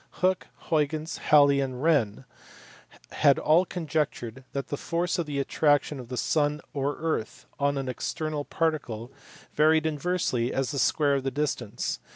Hooke, Huygens, Halley, and Wren had all conjectured that the force of the attraction of the sun or earth on an external particle varied inversely as the square of the distance.